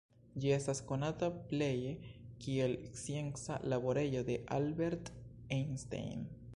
Ĝi estas konata pleje kiel scienca laborejo de Albert Einstein.